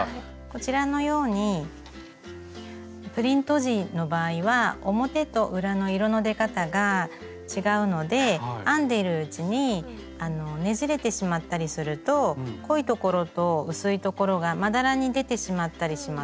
こちらのようにプリント地の場合は表と裏の色の出方が違うので編んでるうちにねじれてしまったりすると濃い所と薄い所がまだらに出てしまったりします。